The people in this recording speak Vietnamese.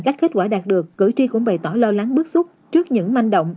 các kết quả đạt được cử tri cũng bày tỏ lo lắng bước xuống trước những manh động